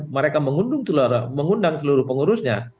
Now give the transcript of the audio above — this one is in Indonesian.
mereka mengundang seluruh pengurusnya